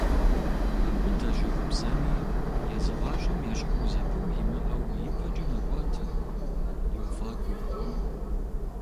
Абы дэщӀыгъу бзэми езы гъащӀэм ещхьу зэпыу имыӀэу ипэкӀэ мэкӀуатэ, йофӀакӀуэ.